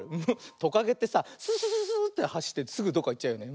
トカゲってさススススーッてはしってすぐどっかいっちゃうよね。